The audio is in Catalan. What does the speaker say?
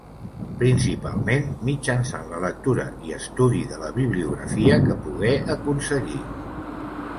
Principalment, mitjançant la lectura i estudi de la bibliografia que pogué aconseguir.